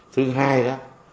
thứ hai đó